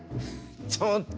ちょっと！